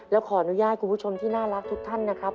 แล้วขออนุญาตคุณผู้ชมที่น่ารักทุกท่านนะครับ